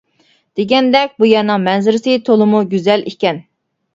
دېگەندەك بۇ يەرنىڭ مەنزىرىسى تولىمۇ گۈزەل ئىكەن.